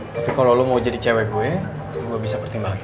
tapi kalo lu mau jadi cewek gue gua bisa pertimbangin